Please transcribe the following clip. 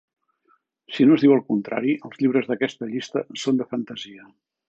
Si no es diu el contrari, els llibres d'aquesta llista són de fantasia.